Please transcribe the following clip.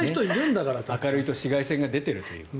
明るいと紫外線出ていると。